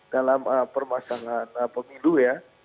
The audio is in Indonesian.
dalam permasalahan pemilu ya